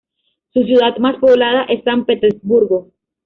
Su ciudad más poblada es San Petersburgo.